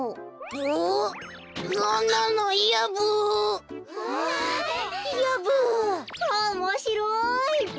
おもしろいブ。